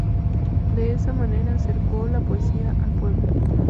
De esa manera acercó la poesía al pueblo.